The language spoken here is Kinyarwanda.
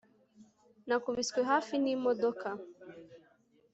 nakubiswe hafi n'imodoka